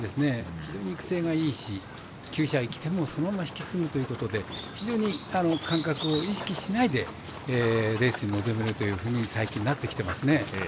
非常に育成がいいしきゅう舎へ来てもそのまま引き継ぐということで非常に感覚を意識しないでレースに臨めるというふうに最近、なってきてますね。